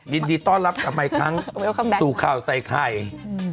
ยินดีต้อนรับกับใหม่ทั้งสู่ข่าวไซค์ไฮด์สวัสดีค่ะ